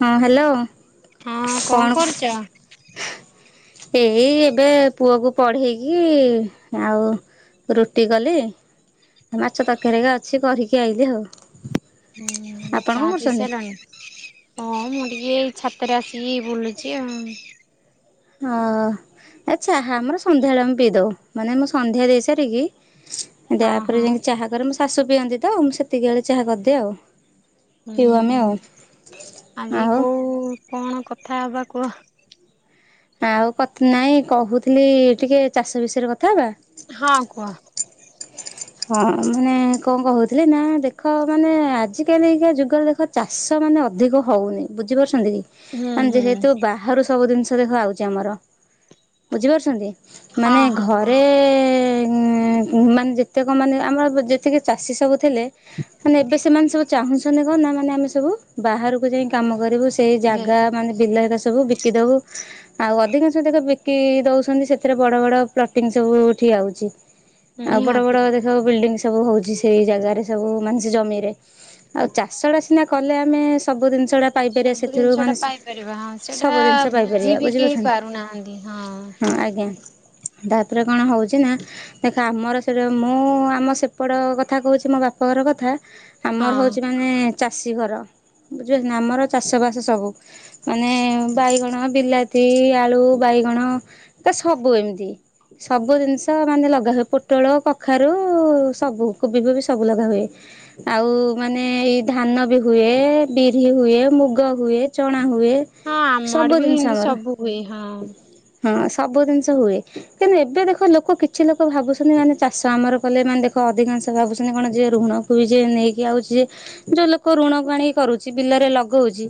ହଁ ହ୍ୟାଲୋ ହଁ କଣ କରୁଛ? ଏଇ ଏବେ ପୁଅକୁ ପଢେଇକି ଆଉ ରୁଟି କଲି ମାଛ ତରକାରୀ ଅଛି, କରିକି ଆଇଲି ଆଉ। ହୁଁ ଆପଣ କଣ ଚାହା କରୁଛନ୍ତି? ପିସାଲଣି ହଁ ମୁଁ ଟିକେ ଛାତରେ ଆସିକି ବୁଲୁଛି ଆଉ। ହଁ ଆଛା ଆମର ସନ୍ଧ୍ୟାବେଳେ ମୁେ ପିଇଦଉ ମାନେ ମୁଁ ସନ୍ଧ୍ୟା ଦେଇ ସାରିକି ହଁ ତାପରେ ହଁ ଯାଇକି ଚାହା କରେ ମୋ ଶାଶୁ ପିଅନ୍ତି, ତ ମୁଁ ସେତିକି ବେଳେ ଚାହା କରିଦିଏ ଆଉ ପିଉ ହୁଁ ଆମେ ଆଉ ହୁଁ ଆଜି ଆଉ କୋଉ କଣ କଥା ହବା କୁହ। ଆଉ ନାଇଁ କହୁଥିଲି ଟିକେ ଚାଷ ବିଷୟରେ କଥା ହେବା? ହଁ କୁହ। ହଁ ମାନେ କଣ କହୁଥିଲି ନା ଦେଖ ମାନେ ଆଜିକାଲିକା ଯୁଗରେ ଦେଖ ଚାଷ ମାନେ ଅଧିକ ହଉନି ବୁଝିପାରୁଛ। ହୁଁ ମାନେ ହୁଁ ଯେହେତୁ ବାହାରୁ ସବୁ ଜିନିଷ ଦେଖ ଆଉଛି ଆମର ବୁଝିପାରୁଛନ୍ତି ହଁ ମାନେ ହଁ କୁହ। ଘରେ ମାନେ ଯେ ପ୍ରତ୍ୟେକ ମାନେ ଆମର ଯେତିକି ଚାଷୀ ସବୁ ଥିଲେ, ମାନେ ଏବେ ସେମାନେ ସବୁ ଚାହୁଁଛନ୍ତି କଣ ନା ମାନେ ଆମେ ସବୁ ବାହାରକୁ ଯାଇ କାମ କରିବୁ ସେଇ ଯେ ଜାଗା ମାନେ ବିଲ ଏଡ଼ା ସବୁ ଦବୁ ବିକି ଦବୁ ଆଉ ଅଧିକାଂଶ ଦେଖ ବିକି ଦଉଛନ୍ତି, ସେଥିରେ ବଡ଼ ବଡ଼ ପ୍ଳଟିଙ୍ଗ ସବୁ ଠି କିଏ ଆଉଚି। [unintelligible] ବଡ଼ ବଡ଼ ଦେଖ ବିଲ୍ଡିଙ୍ଗଂ ସବୁ ହଉଛି ସେଇ ଜାଗାରେ ସବୁ ମାନେ ସେ ଜମିରେ, ଆଉ ଚାଷ ସିନା କଲେ ଆମେ ସବୁ ଜିନିଷଟା ପାଇପାରିବା ସବୁ ସେଥିରୁ ଜିନିଷ ଟା ମାନେ ପାଇପାରିବା ହଁ ସେଇଟା ସବୁ ଜିନିଷ ବୁଝି ପାଇପାରିବା ବିି କେହି ବୁଝିପାରୁଛନ୍ତି ପାରୁନାହାନ୍ତି ହଁ। ଆଜ୍ଞା ତାପରେ କଣ ହଉଛି ନା ଦେଖ ଆମର ସାର ମୁଁ ଆମ ସେପଟ କଥା କହୁଛି, ମୋ ବାପ ଘର କଥା ଆମର ହଁ। ହଉଛି ମାନେ ଚାଷୀ ଘର। ବୁଝିପାରୁଛୁନା ଆମର ଚାଷ ବାସ ସବୁ ମାନେ ବାଇଗଣ, ବିଲାତି, ଆଳୁ ବାଇ ବାଇଗଣ ସବୁ ଏମତି ସବୁ ଜିନିଷ ମାନେ ଲଗା ହଏ ପୋ ପୋଟଳ କଖାରୁ ସବୁ କୋବି ଫୋବି ସବୁ ଲଗା ହୁଏ, ଆଉ ମାନେ ଏଇ ଧାନ ଧାନ ବି ହୁଏ, ବିରି ହୁଏ, ମୁଗ ହୁଏ, ଚଣା ହୁଏ ହଁ ଆମର ସବୁ ବି ଜିନିଷ ଏମିତି ଆମର ସବୁ ହୁଏ ହଁ। ହଁ ସବୁ ଜିନିଷ ହୁଏ, କିନ୍ତୁ ଏବେ ଦେଖ ଲୋକ କିଛି ଲୋକ ଭାବୁଛନ୍ତି ମାନେ ଚାଷ ଆମର କଲେ ମାନେ ଦେଖ ଅଧିକାଂଶ ଭାବୁଛନ୍ତି, କଣ ଯେ ଋଣକୁ ବି ଯେ ନେଇକି ଆଉଚି ଯେ ଯୋଉ ଲୋକ ଋଣକୁ ଆଣି କରୁଛି, ବିଲରେ ଲଗଉଛି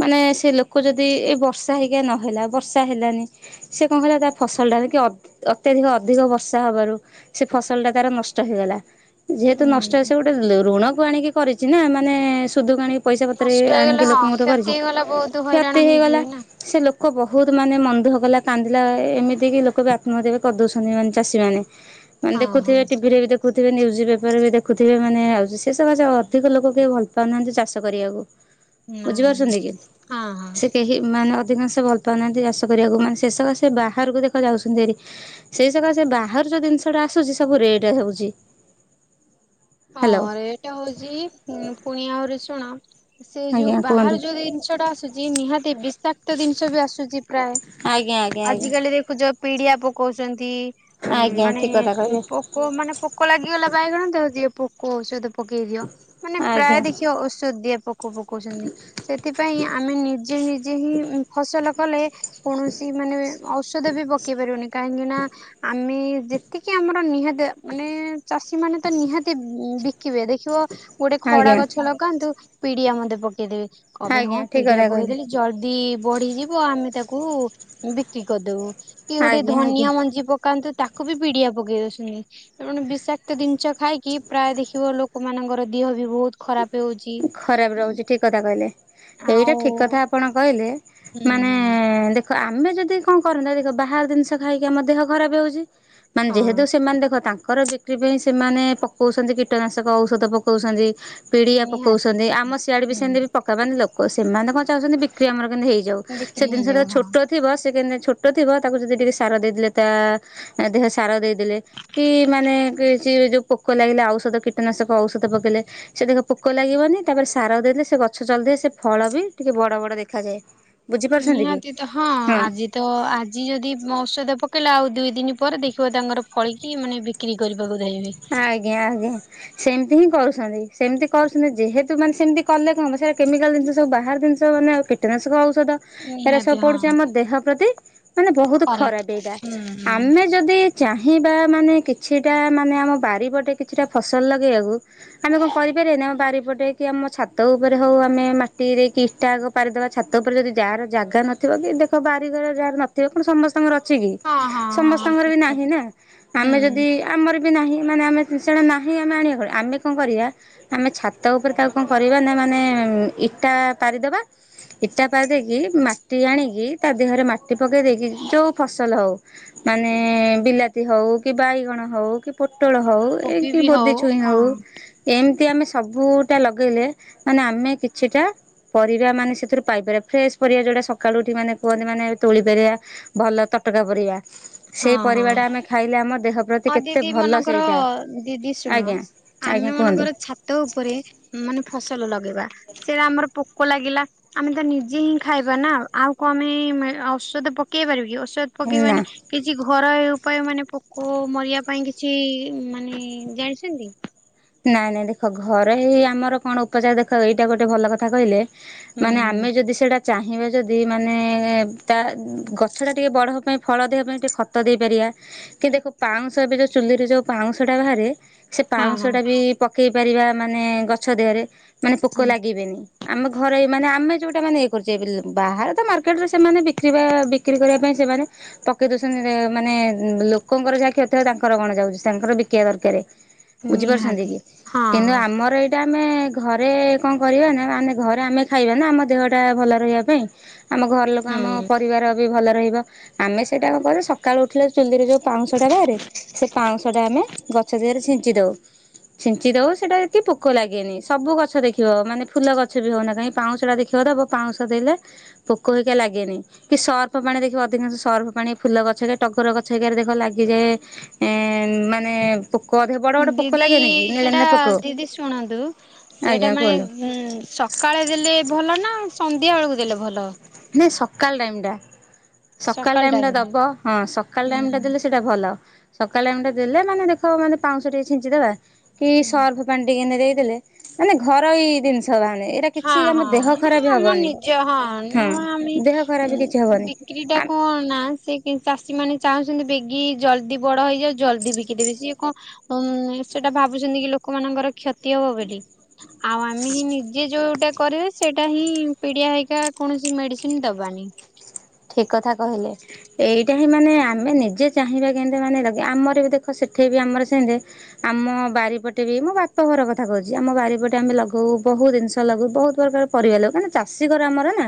ମାନେ ସେ ଲୋକ ଯଦି ଏ ବର୍ଷା ହେଇକା ନହେଲା ବର୍ଷା ହେଲାନି, ସେ କଣ କରିବ ତା ଫସଲଟା ଅତ୍ୟଧିକ ଅଧିକ ବର୍ଷା ହେବାରୁ ସେ ଫସଲ ଟା ତାର ନଷ୍ଟ ହେଇଗଲା, ଯେହେତୁ ନଷ୍ଟ ହେ ହୁଁ। ସେ ଗୋଟେ ଋଣ କରିଛି ଋଣକୁ ଆଣିକି କରିଛି ନା ମାନେ ସୁଧକୁ ଆଣି ପଇସା ପତ୍ର ନଷ୍ଟ ହେଇଗଲେ ଆଣିକି, ହଁ ଲୋକଙ୍କ କ୍ଷତି କରିଛି ହେଇଗଲା ବହୁତ ହଇରାଣ କ୍ଷତି ହେଇଗଲା ହେଇଯିବେ ନା। ସେ ଲୋକ ବହୁତ ମାନେ ମନଦୁଃଖ କଲା କାନ୍ଦିଲା, ଏମିତି କିି ଲୋକ ବି ଆତ୍ମହତ୍ୟା କରିଦେଉଛନ୍ତି ମାନେ ଚାଷୀମାନେ ମାନେ ହଁ ହଁ। ଦେଖୁଥିବେ ଟିଭିରେ ବି ଦେଖୁ ଦେଖୁଥିବେ ନ୍ୟୁଜ୍ ପେପର ବି ଦେଖୁଥିବେ, ମାନେ ଆଉଚି ସେ ସକାସେ ଅଧିକ ଲୋକ କେହି ଭଲ ପାଉନାହାନ୍ତି ଚାଷ କରିବାକୁ ନା ନା ବୁଝିପାରୁଛନ୍ତି କି ହଁ ହଁ ସେ କେହି ମାନେ ଅଧିକଂଶ ଭଲ ପାଉନାହାନ୍ତି ଚାଷ କରିବାକୁ ମାନେ ସେ ସକାସେ ସେ ବାହାରକୁ ଦେଖ ଯାଉଛନ୍ତି ସେ ସକାସେ ବା ବାହାରୁ ଯେଉଁ ଜିନିଷଟା ଆସୁଛି ସବୁ ରେଟ୍ ହେଉଛି। ହ୍ୟାଲୋ। ହଁ ରେଟ୍ ହଉଛି ପୁଣି ଆହୁରି ଶୁଣ ସେ ଯୋଉ ଆଜ୍ଞା କୁହନ୍ତୁ ବାହାରୁ ଯୋଉ ଜିନିଷ ଟା ଆସୁଛି, ନିହାତି ବିଷାକ୍ତ ଜିନିଷ ବି ଆସୁଛି ପ୍ରାୟ ଆଜ୍ଞା ଆଜ୍ଞା ଆଜି ଆଜ୍ଞା କାଲି ଦେଖୁଛ ପିଡିଆ ପକଉଛନ୍ତି। ଉୁଁ ଆଜ୍ଞା ମାନେ ଠିକ କଥା କହିଲେ। ପୋକ ମାନେ ପୋକ ଲାଗିଗଲା ବାଇଗଣ ଦେହେ ଦିଅ ପୋକଔଷଧ। ପକେଇ ଦିଅ ମାନେ ପ୍ରାୟ ଆଜ୍ଞା ଦେଖିବ ଔଷଧ ଦିଅ ପୋକ ପକଉଛନ୍ତି ସେଥିପାଇଁ ଆମେ ନିଜେ ନିଜେ ହିଁ ଫସଲ ଫସଲ କଲେ କୌଣସି ମାନେ ଔଷଧ ବି ପକେଇ ପାରିବନି କାହିଁକି ନା ଆମେ ଯେତିକି ଆମର ନିହାତି ମାନେ ଚାଷୀମାନେ ତ ନିହାତି ବିକିବେ ଦେଖିବ ଗୋଟେ ଖଡା ଆଜ୍ଞା ଗଛ ଲଗାନ୍ତୁ ପିଡିଆ ମୁନ୍ଦେ ପକେଇଦେବେ। କହିବେ ହଁ ଆଜ୍ଞା ଠିକ ପିଡିଆ କଥା କହିଲେ। ପକେଇଦେଲେ ଜଲଦି ବଢ଼ିଯିବ ଆମେ ତାକୁ ବିକ୍ରି କରିଦବୁ କି ଗୋଟେ ଆଜ୍ଞା ଆଜ୍ଞା ଧନିଆ ମଞ୍ଜି ପକାନ୍ତୁ ତାକୁ ତାକୁ ବି ପିଡିଆ ପକେଇ ଦଉଛନ୍ତି ଏଣୁ ବିଷାକ୍ତ ଜିନିଷ ଖାଇକି ପ୍ରାୟ ଦେଖିବ ଲୋକମାନଙ୍କର ଦିହ ବି ବହୁତ ଖରାପ ହେଉଛି। ଖରାପ ରହୁଛି ଠିକ କଥା କହିଲେ। ଏଇଟା ଠିକ୍ କଥା ଆପଣ କହିଲେ ହୁଁ ମାନେ ହୁଁ ଦେ ଆମେ ଯଦି କଣ କରନ୍ତେ ଦେଖ ବାହାର ଜିନିଷ ଖାଇକି ଆମ ଦେହ ଖରାପ ହେଉଛି। ମାନେ ଯେହେତୁ ହଁ ସେମାନେ ଦେଖ ତାଙ୍କ ଘର ବିକ୍ରି ପାଇଁ ସେମାନେ ପକଉଛନ୍ତି କୀଟନାଶକ ଔଷଧ ପକଉଛନ୍ତି। ପିଡିଆ ନିହାତି ପକଉଛନ୍ତି ହଁ ଆମ ସିଆଡେ ବି ସେମିତି ବି ପକେଇବେନି ଲୋକ ସେମାନେ କଣ ଚାହୁଁଛନ୍ତି ବିକ୍ରି ଆମର କେ ହେଇଯାଉ ହୁଁ ସେ ବିକ୍ରି ଜିନିଷ ତ ହେଇଯାଉ ହଁ। ଛୋଟ ଥିବ ସେ କେ [unintelligible] ଟ ଥିବ ତାକୁ ଯଦି ଟିକେ ସାର ଦେଇଦେଲେ ତା ଦେହ ସାର ଦେଇଦେଲେ କି ମାନେ କି ଯୋଉ ପୋକ ଲାଗିଲା ଔଷଧ କୀଟନାଶକ ଔଷଧ ପକେଇଲେ। ସେ ତାଙ୍କ ପୋକ ଲାଗିବନି ତାପରେ ସାର ଦେଇଦେଲେ ସେ ଗଛ ଜଲଦି ସେ ଫଳ ବି ଟିକେ ବଡ଼ ବଡ଼ ଦେଖାଯାଏ। ବୁଝିପାରୁଛନ୍ତି କି ନିହାତି ତ ହଁ ଆଜି ତ ଆଜି ଯଦି ଔଷଧ ପକେଇଲା ଆଉ ଦୁଇ ଦିନି ପରେ ଦେଖିବ ତାଙ୍କର ଫଳିକି ମାନେ ବିକ୍ରି କରି ଆଜ୍ଞା ଆଜ୍ଞା। ସେମିତି ହିଁ କରୁଛନ୍ତି ସେମିତି କରୁଛନ୍ତି ଯେହେତୁ ମାନେ ସେମିତି କଲେ କଣ ସେଟା କେମିକାଲ ଜିନିଷ ସବୁ ବା ବିଷ ମାନେ କୀଟନାଶକ ଔଷଧ ଏରେ ନିହାତି ସବ ପଡୁଛି ହଁ ଆମ ଦେହ ପ୍ରତି ମାନେ ବହୁତ ଖରାପ ଏଇଟା ହୁଁ ହୁଁ ଆମେ ଯଦି ଚାହିଁବା ମାନେ କିଛିଟା ମାନେ ଆମ ବାରିପଟେ କିଛିଟା ଫସଲ ଲଗେଇବାକୁ ଆମେ କଣ କରିପାରିବାନି ଆମ ବାରିପଟେ କି ଆମ ଛାତ ଉପରେ ହଉ। ଆମେ ମାଟିରେ କି ଇଟା ପାରିଦେବା ଛାତ ଉପରେ ପାରିଦେବା ଯଦି ଯାହାର ଜାଗା ନଥିବ କି ଦେଖ ବାରି ଘର ନଥିବ। କଣ ସମସ୍ତଙ୍କର ଅଛି କି ହଁ ହଁ ହଁ ସମସ୍ତଙ୍କର ଠିକ ବି ନାହିଁ କଥା ନା ଆମେ ଯଦି ହୁଁ ଆମର ବି ନାହିଁ। ମାନେ ଆମେ ସେଇଟା ନାହିଁ ଆମେ ଆଣିବା କ ଆମେ କଣ କରିବା ଆମେ ଛାତ ଉପରେ ତାକୁ କଣ କରିବା ନା ମାନେ ଇଟା ପାରିଦବା। ଇଟା ପାରି ଦେଇକି ମାଟି ଆଣିକି ତା ଦେହରେ ମାଟି ପକେଇ ଦେଇକି ଯୋଉ ଫସଲ ହଉ ମାନେ ବିଲାତି ହଉ କି ବାଇଗଣ ହଉ କି ପୋଟଳ ହଉ ଏ କୋବି କି ବି ବୋଦି ଛୁଇଁ ହଉ ହଁ। ଏମତି ଆମେ ସବୁ ଟା ଲଗେଇଲେ ମାନେ ଆମେ କିଛିଟା ପରିବା ମାନେ ସେଥିରୁ ପାଇପାରିବା ଫ୍ରେଶ ପରିବା ଯୋଉଟା ସକାଳୁ ଉଠି ମାନେ କୁହନ୍ତି ମାନେ ତୋଳି ପାରିବା ଭଲ ତ ତଟକା ପରିବା ସେଇ ହଁ ପରିବା ଟା ଆମେ ଖାଇଲେ ଆମ ଦେହ ପ୍ରତି କେତେ ଭଲ ମାନଙ୍କର ସେଇଟା ଦିଦି ଶୁଣ ଆଜ୍ଞା ଆମେ ଆଜ୍ଞା କୁହନ୍ତୁ ମନେକର ଛାତ ଉପରେ ମାନେ ଫସଲ ଲ ସେଇଟା ଆମର ପୋକ ଲାଗିଲା ଆମେ ତ ନିଜେ ହିଁ ଖାଇବା ନା ଆଉ କଣ ଆମେ ଔଷଧ ପକେଇ ପାରିବ କି ପକେଇ ନା। ବାନି କିଛି ଘରୋଇ ଉପାୟ ମାନେ ପୋକ ଚରା ଓ ମରିବା ପାଇଁ କିଛି ମାନେ ଜାଣିଛନ୍ତି? ନାଇଁ ନାଇଁ ଦେଖ ଘରେ ହି ଆମର କଣ ଉପଚାର ଦେଖ ଏଇଟା ଗୋଟେ ଭଲ କଥା କହିଲେ। ହୁଁ ମାନେ ହୁଁ। ଆମେ ଯଦି ସେଇଟା ଚାହିଁବେ ଯଦି ମାନେ ତା ଗଛଟା ଟିକେ ବଡ଼ ହେବା ପାଇଁ ଫଳ ଦେବା ପାଇଁ ଟିକେ ଖତ ଦେଇପାରିବା। କି ଦେଖ ପାଉଁଶ ଏବେ ଯୋଉ ଚୁଲିରେ ଯୋଉ ପାଉଁଶ ଟା ବାହାରେ ସେ ହଁ ପାଉଁଶ ହଁ। ଟା ବି ପକେଇ ଇପାରିବା ମାନେ ଗଛ ଦେହରେ ମାନେ ପୋକ ହୁଁ। ଲାଗିବେନି ଆମ ଘରେ ମାନେ ଆମେ ଯୋଉ ଇଏ କରୁଛେ ବାହାରେ ତ ମାର୍କେଟରେ ସେମାନେ ବ ବିକ୍ରି କରିବା ପାଇଁ ସେମାନେ ପକେଇ ଦୋଉଛନ୍ତି। ମାନେ ଲୋକଙ୍କର ଯାହା କ୍ଷତି ତାଙ୍କର ଗଣ ଯାଉଛି ତାଙ୍କର ବିକିବା ଦରକାର। ବୁଝିପାରୁଛନ୍ତି ନିହାତି କି କିନ୍ତୁ ହଁ। ଆମର ଏଇଟା ଆମେ ଘରେ କଣ କରିବା ନା ଆମେ ଘରେ ଆମେ ଖାଇବା ନା ଆମ ଦେହ ଟା ଭଲ ରହିବା ପାଇଁ। ଆମ ଘର ଲୋକ ଆମ ହୁଁ। ପରିବାର ଭଲ ରହିବ ଆମେ ସେଇଟା କଣ ସକାଳୁ ଉଠିଲ ଚୁଲିରେ ଯୋଉ ପାଉଁଶଟା ବାହାରେ ସେ ପାଉଁଶଟା ଆମ ଗଛ ଦେହରେ ଛିଞ୍ଚି ଦଉ। ହ ଛିଞ୍ଚି ଦବଉ ସେଟା ଏତେ ପୋକ ଲାଗେନି ସବୁ ଗଛ ଦେଖିବ ମାନେ ଫୁଲ ଗଛ ବି ହଉନ କାଇହିଁ ପାଉଁ ସେଟା ଦେଖିବ ଦ ପାଉଶ ଦେଲେ ପୋକ ହେଇ ଲାଗେନି କି ସର୍ଫ ପାଣି ଦେଖିବ ଅଧିକାଂଶ ସର୍ଫ ପାଣି ଫୁଲ ଗଛ ଟଗର ଗଛ ହେଇାରେ ଦେଖ ଲାଗିଯଏ ଏଁ ମାନେ ପୋକ ଅଧିକ ବଡ ବଡ ପୋକ ଦି ଦି ଲାଗେନି କି ନେଳା ହେଡ଼ା ନେଳା ପୋକ ଦିଦି ଶୁଣନ୍ତୁ ସେଇଟା ଆଜ୍ଞା କୁହନ୍ତୁ ମାନେ ଉ ସକାଳେ ଦେଲେ ଭଲ ନା ସନ୍ଧ୍ୟା ବେଳକୁ ଦେଲେ ଭଲ? ମାନ ସକାଳ ଟାଇମଟା। ସକାଳ ଟାଇମ ଟା ଦବ ହଁ ସକାଳ ଟାଇମ ଟା ହୁଁ ଦେଲେ ସେଇଟା ଭଲ। ସକାଳେ [unintelligible] ଦେଲେ ମାନେ ଦେଖ ମାନେ ପାଉଁଶ ଟିକେ ଛିଞ୍ଚିଦବା କି ସର୍ଫ ପାଣି ଟିକେ ନେ ଦେଇ ଦେଲେ ମାନେ ଘରେଇ ଜିନିଷ ମାନେ ଏଇଟା ହଁ କିଛି ଆମ ଦେହ ଖରାପ ହବନି। ନ ହଁ ଆମେ ଦେହ ଖରାପ କିଛି ଉଁ ବିକ୍ରି ଟା ହବନି। କଣ ନା ସେ କି ଚାଷୀ ମା ମାନେ ଚାହୁଁଛନ୍ତି ବେଗି ଜଲ୍ଦି ବଡ ହେଇଯାଉ ଜଲ୍ଦି ବିକିଦେବି। ସିଏ କଣ ଉଁ ସେଟା ଭାବୁଛନ୍ତି ଇଏ ଲୋକମାନଙ୍କର କ୍ଷତି ହବ ବୋଲି ଆଉ ଆମେ ହିଁ ନି ଯୋଉଟା କରିବେ ସେଟା ହିଁ ପିଡିଆ ହେଇକା କୌଣସି ମେଡିସିନ୍ ଦବାନି। ଏ କଥା କହିଲେ ଏଇଟା ହିଁ ମାନେ ଆମେ ନିଜେ ଚାହିଁବା କେମିତି ମାନେ ଆମର ବି ଦେଖ ସେଠି ବି ଆମର ସେମତି ଆମ ବାରିପଟେ ବି ମୋ ବାପ ଘର କଥା କହୁଛି ଆମ ବାରିପଟେ ଆମେ ଲଗଉ ବହୁତ ଦି ଜିନିଷ ଲାଗୁ ବହୁତ ପ୍ରକାର ପରିବା ଲାଗୁ କାଇଁନା ଚାଷୀ ଘର ଆମର ନା।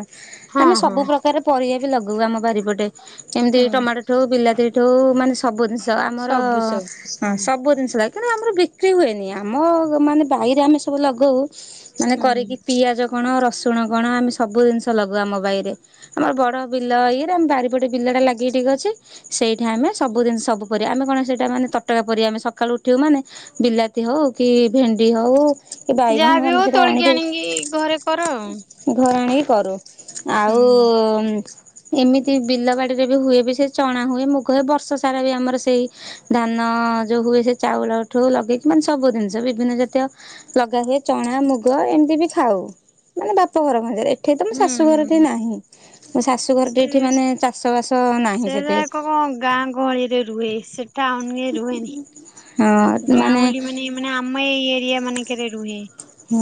ହଁ ଆମେ ହଁ ସବୁ ପ୍ରକାର ପରିବା ବି ଲଗଉ ଆମ ବାରିପଟେ ଯେମିତି ହୁଁ। ଟମାଟୋ ଠୁ ବିଲାତି ଠୁ ମାନେ ସବୁ ଜିନିଷ ଆମର ସବୁ ସବୁ ହଁ ସବୁ ଜିନିଷ ଲାଗେ। ତେଣୁ ଆମର ବିକ୍ରି ହୁଏନି। ଆମ ମାନେ ବାଇରେ ଆମେ ସବୁ ଲଗଉ ମାନେ କରିକି ହୁଁ ପିଆଜ କଣ ରସୁଣ କଣ ଆମେ ସବୁ ଜିନିଷ ଲଗାଉ ଆମ ବାଇରେ ।ଆମର ବଡ଼ ବିଲ ଇଏରେ ଆମ ବାରିପଟେ ବିଲଟା ଲାଗିକି ଟିକେ ଅଛି ସେଇଠି ଆମେ ସବୁଦିନି ସବୁ ପରିବା ଆମେ କଣ ସେଇଟା ମାନେ ତଟକା ପରିବା ଆମେ ସକାଳୁ ଉଠିବୁ ମାନେ ବିଲାତି ହଉ କି, ଭେଣ୍ଡି ହେଉ କି ବାଇଗଣ ହଉ ଯାହାବି ଆମେ ସେଇଟା ତୋଳିକି ଆଣିକି ଘରେ କର ଆଉ। ଆଣିକି ଘରେ ଆଣିକି କରୁ। ହୁଁ। ଆଉ-ଉ-ଉ-ଉ ଏମିତି ବିଲ ବାଡିରେ ବି ହୁଏ ବି ସେ ଚଣା ହୁଏ ମୁଗ ହୁଏ। ବର୍ଷ ସାରା ବି ଆମର ସେଇ ଧାନ ଅଁ ଯୋଉ ହୁଏ ସେ ଚାଉଳଠୁ ଲଗେଇକି ମାନେ ସବୁ ଜିନିଷ ବିଭିନ୍ନ ଜାତୀୟ ଲଗା ହୁଏ। ଚଣା ମୁଗ ଗ ଏମିତି ବି ଖାଉ ମାନେ ବାପ ଘର ଖଞ୍ଜାରେ। ଏଠି ତ ମୋ ହୁଁ ଶାଶୁ ଘରଟି ହୁଁ। ନାହିଁ। ମୋ ଶାଶୁ ଘରଟି ଏଠି ମାନେ ଚାଷ ବାସ ନାହିଁ ସେରା ସେତେ ଏକ କଣ ଗାଁ ଗହଳିରେ ରୁହେ ସେଟା ଅନେଇ ରୁହେନି। ଗାଁଉଁଲି ମାନେ ମାନେ ଆମ ଏଇ ଦିଆ ମାନେଙ୍କେରେ ରୁହେ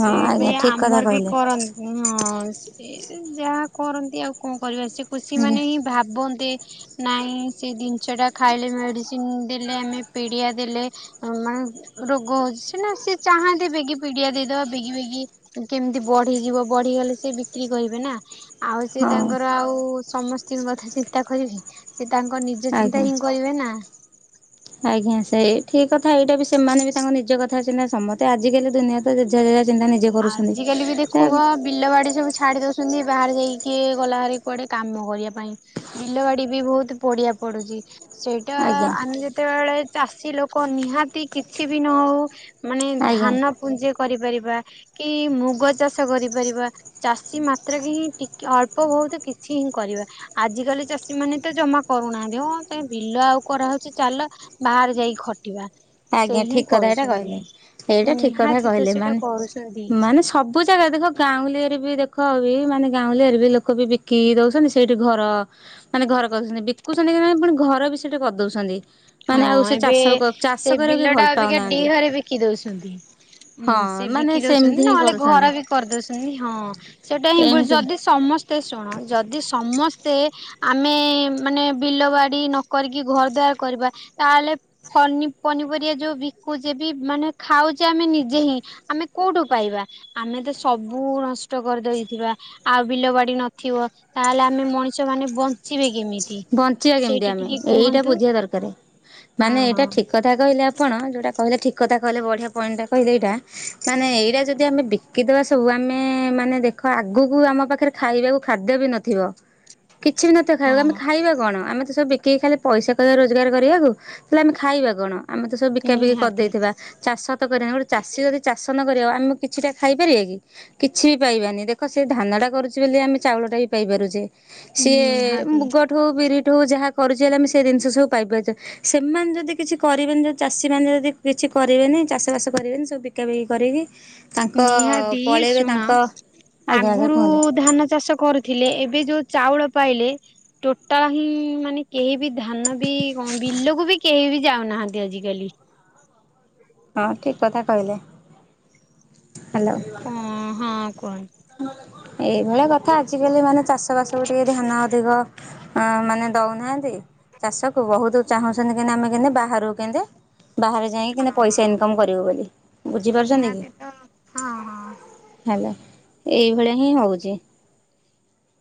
ହଁ ଏବେ ଆଜ୍ଞା ଠିକ କଥା ଆମର ବି କହିଲେ କର ହଁ ଏ ଯେମି ଯାହା କରନ୍ତି ଆଉ କଣ କରିବା ସେ କୃଷି ଆଜ୍ଞା ମାନେ ହିଁ ଭାବନ୍ତେ ନାଇଁ ସେ ଜିନିଷ ଟା ଖାଇଲେ ମେଡିସିନ୍ ଦେଲେ ଆମେ ପିଡିଆ ଦେଲେ ମାନେ ରୋଗ ହଉଛି ସିନା ସିଏ ଚାହାନ୍ତି ବେଗି ପିଡିଆ ଦେଇଦବା ବେଗି ବେଗି କେମତି ବ ବଢିଯିବ ବଢିଗଲେ ସେ ବିକ୍ରି କରିବେ ନା। ଆଉ ସେ ହଁ ତାଙ୍କର ଆଉ ସମସ୍ତିଙ୍କ କଥା ଚିନ୍ତା କରିବି। ତାଙ୍କ ନିଜ ଆଜ୍ଞା। ଚିନ୍ତା ହିଁ କରିବେ ନା। ଆଜ୍ଞା ସେଇ ଠିକ୍ କଥା ଏଇଟା ବି ସେମାନେ ବି ତାଙ୍କ ନିଜ କଥା ସିନା ସମତେ ଆଜିକାଲି ଦୁିନିଆ ତ ଯେଝା ଯେଝା ଆଜିକାଲି ବି ଦେଖୁବ ବିଲ ବାଡି ସବୁ ଛାଡି ଦଉ ଛନ୍ତି। ବାହାରେ ଯାଇକି କିଏ ଗଲା ହାରି କୁଆଡେ କାମ କରିବା ପାଇଁ ବିଲ ବାଡି ବି ବହୁତ ପଡିଆ ପଡୁଛି। ସେଇଟା ଆଜ୍ଞା ଆମେ ଯେତେବେଳେ ଚାଷୀ ଲୋକ ନିହାତି କିଛି ବି ନ ହଉ ମାନେ ଧାନ ପୁଞ୍ଜି କରିପାରିବା। କି ମୁଗ ଚାଷ କରିପାରିବା ଚାଷୀ ମାତ୍ରକେ ହିଁ ଟି ଅଳ୍ପ ବହୁତ କିଛି ହିଁ କରି ବା ଆଜି କାଲି ଚାଷୀ ମାନେ ତ ଜମା କରୁନାହାନ୍ତି ହଁ ସେ ବିଲ ଆଉ କରାହଉଛି ଚାଲ ବାହା ଯାଇ ଖଟିବା। ସେ ଆଜ୍ଞା ହିଁ ଠିକ୍ କଥା ଏଇଟା କହିଲେ କରୁଛନ୍ତି ଏଇଟା ଠିକ୍ କଥା ନିହାତି ତ କହିଲେ ସେଇଟା ମାନେ କରୁଛନ୍ତି। ମାନେ ସବୁ ଜାଗା ଦେଖ ଗାଁଉଁଲି ଇଏରେ ବି ଦେଖ ଲୋକ ବି ମାନେ ଗାଉଁଲି ଇଏରେ ବି ଲୋକ ବି ବିକି ଦଉଛନ୍ତି ସେଇଠି ଘର ମାନେ ଘର କରୁଛନ୍ତି। ବିକୁଛନ୍ତି ନାଇଁ ପୁଣି ଘର ବି ସେଠି କରିଦଉଛନ୍ତି ମାନେ ଆଉ ହଁ ସେ ଏବେ ଚାଷ କ ସେ ବିଲ ଟା ଅବିକା ଡିହରେ ବିକି ଦଉଛନ୍ତି। ହଁ ହୁଁ ସେ ମାନେ ବିକି ଦଉଛନ୍ତି ସେମିତି ହିଁ ନହେଲେ ଘର କରୁଛନ୍ତି ବି କରିଦଉଛନ୍ତି ହଁ ସେଟା ହିଁ ବୁ ଏମିତି ଯଦି ସମ ସ୍ତେ ଶୁଣ ଯଦି ସମସ୍ତେ ଆମେ ମାନେ ବିଲ ବାଡ଼ି ନ କରିକି ଘର ଦ୍ବା [unintelligible] କରିବା। ତାହେଲେ ପନି ପନିପରିବା ଯୋଉ ବିକୁଛେ ବି ମାନେ ଖାଉଛେ ଆମେ ନିଜେ ହିଁ ଆ ଆମେ କଉଠୁ ପାଇବା? ଆମେ ତ ସବୁ ନଷ୍ଟ କରିଦେଇଥିବା, ଆଉ ବିଲ ବାଡ଼ି ନଥିବ। ତାହେଲେ ଆମେ ମଣିଷ ମାନେ ବଞ୍ଚିବେ କେମିତି? ବଞ୍ଚିବା କେମିତି ସେଇଟା ଆମେ? ଟିକେ ଏଇଟା କୁହନ୍ତୁ ବୁଝିବା ଦରକାର ହଁ ମାନେ ହଁ। ଏଇଟା ଠିକ କଥା କ କହିଲେ ଆପଣ ଯୋଉଟା କହିଲେ ଠିକ କଥା କହିଲ ବଢିଆ ପଏଣ୍ଟା କହିଲେ ଏଇଟା ମାନେ ଏଇଟା ଯଦି ଆମେ ବିକିଦବା ଏ ସବୁ ଆମେ ମାନେ ଦେଖ ଆଗକୁ ଆମ ପାଖରେ ଖାଇବାକୁ ଖାଦ୍ୟ ବି ନଥିବ। [inaudible] କିଛି ବି ନଥିବା ଖାଇବାକୁ ଆମେ ହଁ ଖାଇବା କଣ ଆମେ ତ ସବୁ ବିକିକି ଖାଲି ପଇସା ଗଲେ ରୋଜଗାର କରିବାକୁ ତାହେଲେ ଆମେ ଖାଇବା କଣ? ଆମେ ତ ସବୁ ବିକା ବିକା ନିହାତି କରିଦେଇଥିବା ଚାଷ ତ କରିବା ଗୋଟେ ଚାଷୀ ଯଦି ଚାଷ ନ କରିବା ଆମେ କିଛିଟା ଖାଇପାରିବା କି କିଛି ବି ପାଇବାନି ଦେଖ ସେ ଧାନଟା କରୁଛି ବୋଲି ଆମେ ଚାଉଳ ଟା ବି ପାଇପାରୁଛେ। ସିଏ ନିହାତି ମୁଗ ବିରିଠୁ ଯାହା କରୁଛି ହେଲେ ଆମେ ସେ ଜିନିଷ ସବୁ ପାଇପାରୁଛେ ସେମାନେ ଯଦି କିଛି କରିବେନି ଯଦି ଚାଷୀ ମାନ ଯଦି କିଛି କରିବେନି ଚାଷ ବାସ କରିବେନି ସବୁ ବିକା ବିକି କରିକି ତାଙ୍କ ନିହାତି ପଳେଇବେ ଶୁଣ ତାଙ୍କ ଆଜ୍ଞା ଆଜ୍ଞା ଆଗରୁ କୁହନ୍ତୁ ଧାନ ଚାଷ କରୁଥିଲେ ଏବେ ଯୋଉ ଚାଉଳ ପାଇଲେ ଟୋଟାଲ ହିଁ ମାନେ କେହି ବି ଧାନ ବି କଣ ବିଲକୁ ବି କେହି ବି ଯାଉନାହାନ୍ତି ଆଜିକାଲି। ହଁ ଠିକ କଥା କହିଲେ। ହ୍ୟାଲୋ। କ ହଁ କୁହ? ଏଇଭଳିଆ କଥା ଆଜିକାଲି ମାନେ ଚାଷବାସକୁ ଟିକେ ଧ୍ୟାନ ଅଧିକ ମାନେ ଦଉନାହାନ୍ତି। ଚାଷକୁ ବହୁତ ଚାହୁଁଛନ୍ତି କି ଆମେ କେନ୍ତି ବାହାରକୁ କେନ୍ତି ବାହାରେ ଯାଇକି କେନ୍ତି ହଁ ପଇସା ହଁ ଇନକମ କରିବୁ ବୋଲି। ବୁଝିପାରୁଛନ୍ତି କି ନିହାତି ତ ହଁ ହଁ। ହେଲା ଏଇଭଳିଆ ହିଁ ହଉଛି।